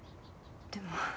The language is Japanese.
でも。